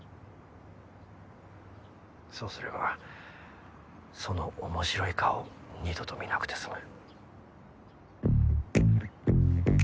そうすればその面白い顔を二度と見なくて済む。